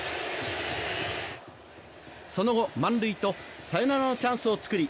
その後満塁とサヨナラのチャンスを作り